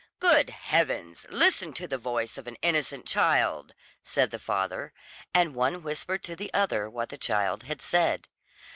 "Good heavens! listen to the voice of an innocent child," said the father, and one whispered to the other what the child had said.